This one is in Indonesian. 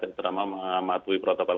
yang terdapat mengatui protokol